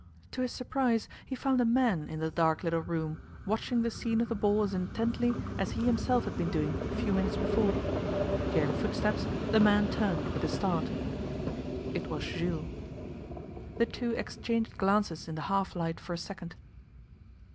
To his surprise he found a man in the dark little room, watching the scene of the ball as intently as he himself had been doing a few minutes before. Hearing footsteps, the man turned with a start. It was Jules. The two exchanged glances in the half light for a second.